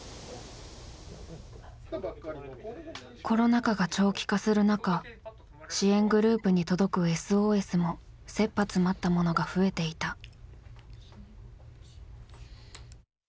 コロナ禍が長期化する中支援団体に届くＳＯＳもせっぱ詰まったものが増えていた。